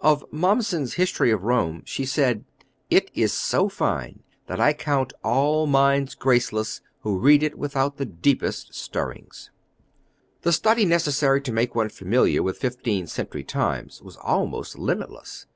Of Mommsen's History of Rome she said, "It is so fine that I count all minds graceless who read it without the deepest stirrings." The study necessary to make one familiar with fifteenth century times was almost limitless.